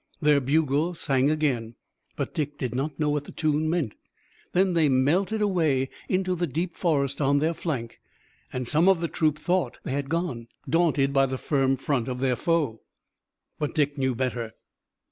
Their bugle sang again, but Dick did not know what the tune meant. Then they melted away into the deep forest on their flank, and some of the troop thought they had gone, daunted by the firm front of their foe. But Dick knew better.